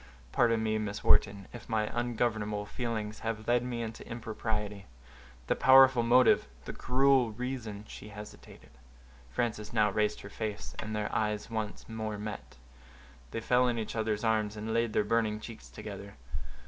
"Pardon me, Miss Wharton, if my ungovernable feelings have led me into impropriety; the powerful motive—the cruel reason"—she hesitated. Frances now raised her face, and their eyes once more met; they fell in each other's arms, and laid their burning cheeks together.